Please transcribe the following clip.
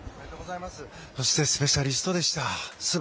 そしてスペシャリストでした。